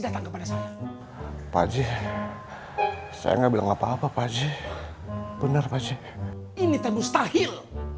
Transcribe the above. datang kepada saya pak haji saya enggak bilang apa apa pak haji benar pak haji ini teh mustahil